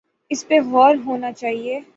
اس پہ غور ہونا چاہیے۔